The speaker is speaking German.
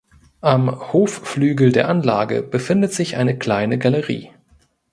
Am Hofflügel der Anlage befindet sich eine kleine Galerie.